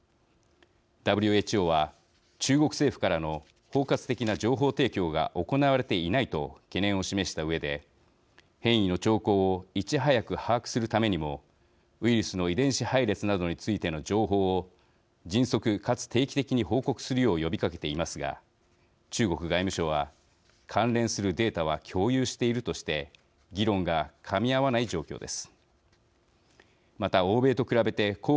ＷＨＯは「中国政府からの包括的な情報提供が行われていない」と懸念を示したうえで変異の兆候をいち早く把握するためにも、ウイルスの遺伝子配列などについての情報を迅速かつ定期的に報告するよう呼びかけていますが中国外務省は「関連するデータは共有している」として議論がかみ合わない状況です。